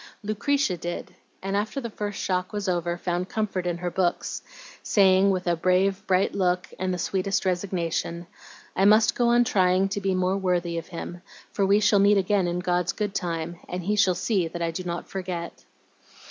Lucretia did, and after the first shock was over found comfort in her books, saying, with a brave, bright look, and the sweetest resignation, 'I must go on trying to be more worthy of him, for we shall meet again in God's good time and he shall see that I do not forget.'